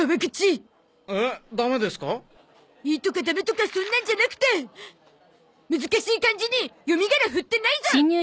いいとかダメとかそんなんじゃなくて難しい漢字に読み仮名ふってないゾ！